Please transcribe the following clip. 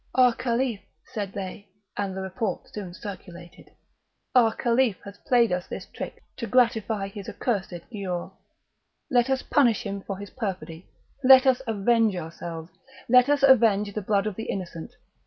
"Our Caliph," said they—and the report soon circulated—"Our Caliph has played us this trick to gratify his accursed Giaour. Let us punish him for his perfidy! let us avenge ourselves! let us avenge the blood of the innocent!